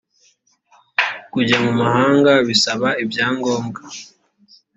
kujya mu mahanga bisaba ibyangombwa.